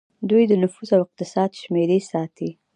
دوی د نفوس او اقتصاد شمیرې ساتي.